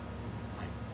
はい。